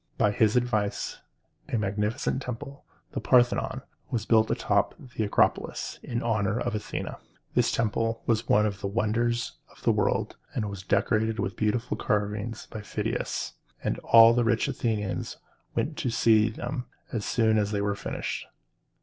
By his advice a magnificent temple, the Par´the non, was built on top of the Acropolis, in honor of Athene. This temple, one of the wonders of the world, was decorated with beautiful carvings by Phidias, and all the rich Athenians went to see them as soon as they were finished.